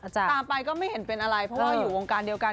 ตามไปก็ไม่เห็นเป็นอะไรเพราะว่าอยู่วงการเดียวกัน